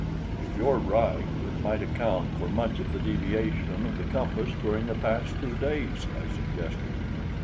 "If you are right, it might account for much of the deviation of the compass during the past two days," I suggested.